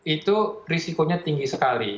itu risikonya tinggi sekali